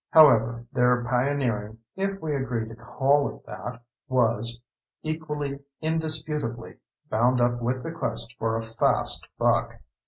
However, their pioneering if we agree to call it that was, equally indisputably, bound up with the quest for a fast buck.